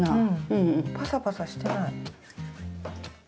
うんパサパサしてない。